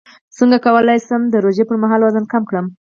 څنګه کولی شم د روژې پر مهال وزن کم کړم